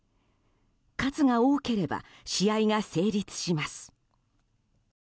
数が多ければ試合が成立します。